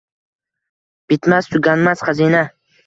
Bitmas-tuganmas xazina